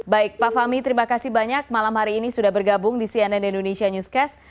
baik pak fahmi terima kasih banyak malam hari ini sudah bergabung di cnn indonesia newscast